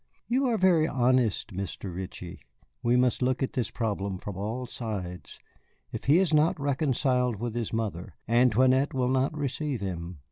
"You are very honest, Mr. Ritchie. We must look at this problem from all sides. If he is not reconciled with his mother, Antoinette will not receive him.